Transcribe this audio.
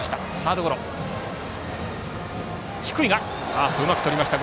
ファースト、うまくとりました。